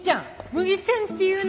ムギちゃんって言うの。